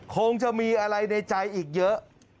คงจะมีอะไรในใจอีกเยอะ